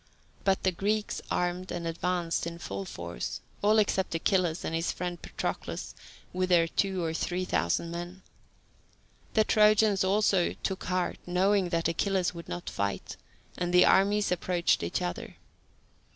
But the Greeks armed and advanced in full force, all except Achilles and his friend Patroclus with their two or three thousand men. The Trojans also took heart, knowing that Achilles would not fight, and the armies approached each other.